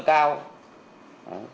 càng khó khăn